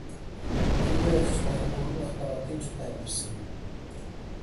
Мария эгч болон хүргэн ахтайгаа тийм ч удаан амьдарсангүй.